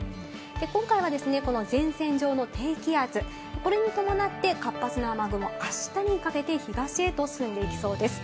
今回はですね、この前線上の低気圧、これに伴って活発な雨雲、あしたにかけて東へと進んでいきそうです。